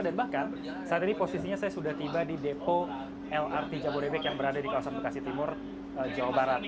dan bahkan saat ini posisinya saya sudah tiba di depo lrt jabodebek yang berada di kawasan bekasi timur jawa barat